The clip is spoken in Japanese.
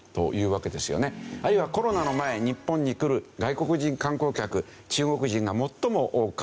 あるいはコロナの前日本に来る外国人観光客中国人が最も多かった。